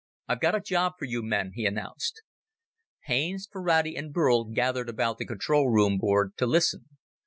"I've got a job for you men," he announced. Haines, Ferrati, and Burl gathered about the control board to listen.